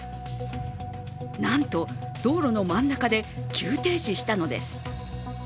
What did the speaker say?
なんと道路の真ん中で急停止したのです。